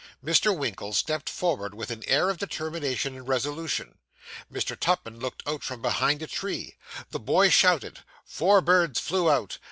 Mr. Winkle stepped forward with an air of determination and resolution; and Mr. Tupman looked out from behind a tree. The boy shouted; four birds flew out.